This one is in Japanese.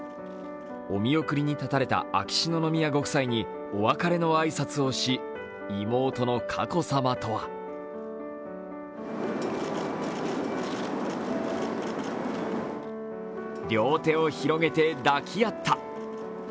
お見送りに立たれた秋篠宮ご夫妻にお別れの挨拶をし妹の佳子さまとは両手を広げて抱き合った。